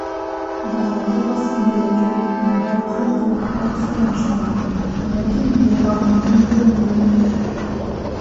Бара торғас, бәләкәй, япраҡһыҙ ҡыуаҡтар осрай башланы, ләкин йылға һаман күренмәне.